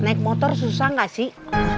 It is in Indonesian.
naik motor susah nggak sih